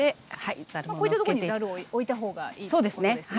こういったとこにざるをおいたほうがいいということですね。